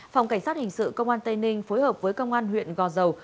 phòng cảnh sát hình sự công an tây ninh phối hợp với công an huyện gò dầu